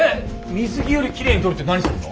水着よりきれいに撮るって何するの？